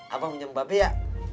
abang minjem ke babe ya